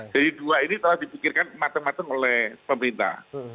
jadi dua ini telah dipikirkan matang matang oleh pemerintah